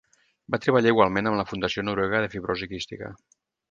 Va treballar igualment amb la Fundació Noruega de Fibrosi Quística.